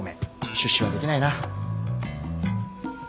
出資はできないな。